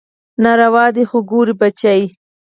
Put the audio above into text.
ناروا دي خو ګوره بچى.